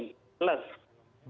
plus yang satu adalah alumni dari jogja